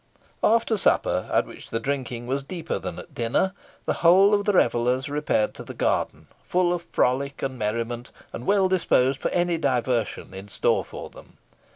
After supper, at which the drinking was deeper than at dinner, the whole of the revellers repaired to the garden, full of frolic and merriment, and well disposed for any diversion in store for them.